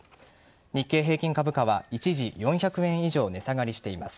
日経平均株価は一時４００円以上値下がりしています。